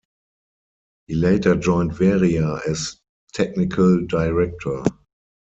He later joined Veria as technical director.